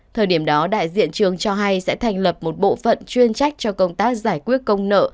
thời điểm đó đại diện trường cho hay sẽ thành lập một bộ phận chuyên trách cho công tác giải quyết công nợ